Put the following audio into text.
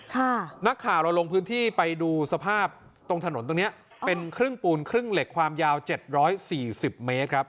นักข่าวเราลงพื้นที่ไปดูสภาพตรงถนนตรงเนี้ยเป็นครึ่งปูนครึ่งเหล็กความยาวเจ็ดร้อยสี่สิบเมตรครับ